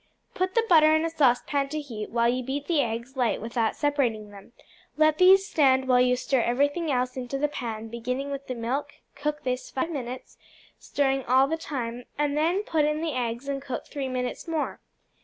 Put the butter in a saucepan to heat while you beat the eggs light without separating them; let these stand while you stir everything else into the pan, beginning with the milk; cook this five minutes, stirring all the time, and then put in the eggs and cook three minutes more.